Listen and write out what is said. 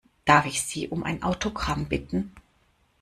Darf ich Sie um ein Autogramm bitten?